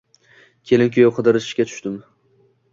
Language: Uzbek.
Keyin kuyov qidirishga tushdim